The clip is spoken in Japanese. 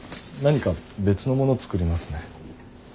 何か別のもの作りますね。